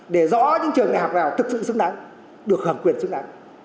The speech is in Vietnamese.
để rõ những trường đại học nào thực sự xứng đáng được hưởng quyền xứng đáng